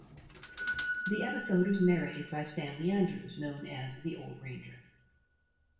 The episode was narrated by Stanley Andrews, known as "The Old Ranger".